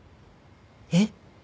えっ？